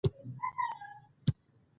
ځمکې ته نه ګورې، اسمان ته ګورې.